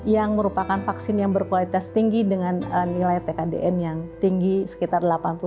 yang merupakan vaksin yang berkualitas tinggi dengan nilai tkdn yang tinggi sekitar delapan puluh sembilan